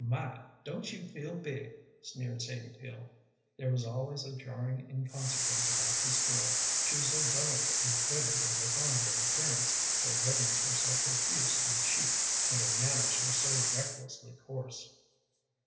"My, don't you feel big!" sneered Sadie Peel. There was always a jarring inconsequence about this girl, she was so delicately pretty and refined in appearance, her ribbons were so profuse and cheap, and her manners were so recklessly coarse.